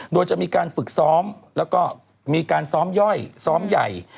โดยจะมีการฝึกซ้อมแล้วก็มีการซ้อมย่อยซ้อมใหญ่